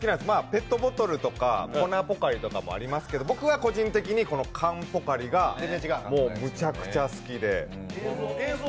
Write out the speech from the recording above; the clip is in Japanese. ペットボトルとか、粉ポカリとかもいろいろありますけど僕は個人的に缶ポカリが、むちゃくちゃ好きで。